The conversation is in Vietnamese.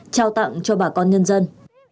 trao tặng cho bà con nhân dân